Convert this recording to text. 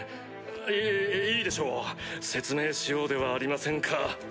いいいでしょう説明しようではありませんか。